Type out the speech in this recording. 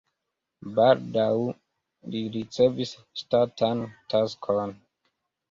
Baldaŭ li ricevis ŝtatan taskon.